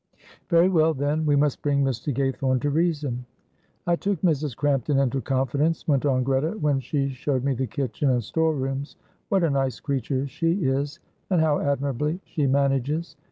"Very well, then, we must bring Mr. Gaythorne to reason." "I took Mrs. Crampton into confidence," went on Greta, "when she showed me the kitchen and store rooms. What a nice creature she is, and how admirably she manages!